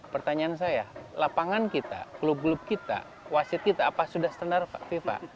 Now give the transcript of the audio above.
pertanyaan saya lapangan kita klub klub kita wasit kita apa sudah standar fifa